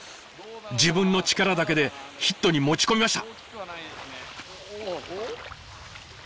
自分の力だけでヒットに持ち込みました。